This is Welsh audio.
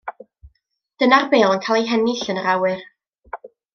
Dyna'r bêl yn cael ei hennill yn yr awyr.